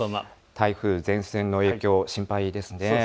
台風、前線の影響、心配ですね。